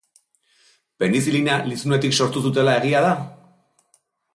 Penizilina lizunetik sortu zutela egia da?